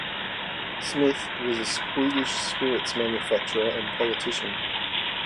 Smith, was a Swedish spirits manufacturer and politician.